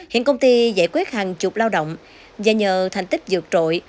hiện công ty giải quyết hàng chục lao động và nhờ thành tích dược trội